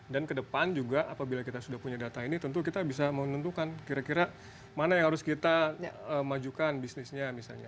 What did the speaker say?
dan ke depan juga apabila kita sudah punya data ini tentu kita bisa menentukan kira kira mana yang harus kita majukan bisnisnya misalnya